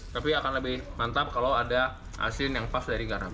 tapi akan lebih mantap kalau ada asin yang pas dari garam